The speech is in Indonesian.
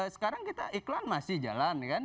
sekarang kita iklan masih jalan kan